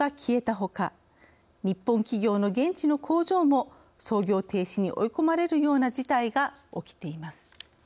ほか日本企業の現地の工場も操業停止に追い込まれるような事態が起きています。